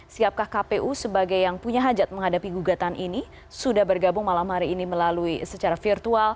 siapkah kpu sebagai yang punya hajat menghadapi gugatan ini